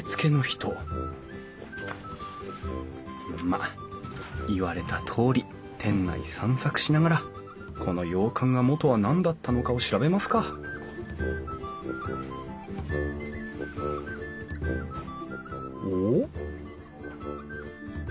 まっ言われたとおり店内散策しながらこの洋館が元は何だったのかを調べますかおっ？